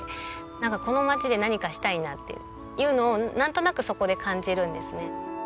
この町で何かしたいなっていうのをなんとなくそこで感じるんですね。